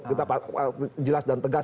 kita jelas dan tegas